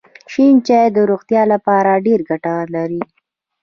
شین چای د روغتیا لپاره ډېره ګټه لري.